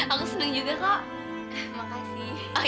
aku seneng juga kok makasih